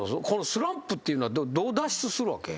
スランプっていうのはどう脱出するわけ？